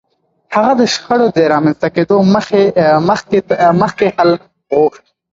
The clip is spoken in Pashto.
هغه د شخړو د رامنځته کېدو مخکې حل غوښت.